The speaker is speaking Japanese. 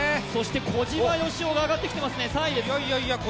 小島よしおが上がってきていますね。